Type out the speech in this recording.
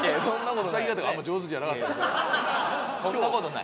そんなことない。